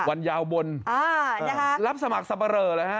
วันยาวบนรับสมัครสับปะเรอเลยฮะ